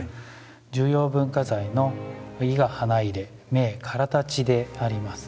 重要文化財の「伊賀花入銘からたち」であります。